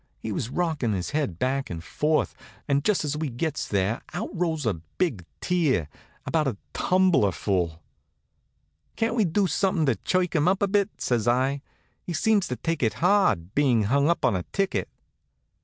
He was rockin' his head back and forth, and just as we gets there out rolls a big tear, about a tumblerful. "Can't we do something to chirk him up a bit?" says I. "He seems to take it hard, being hung up on a ticket."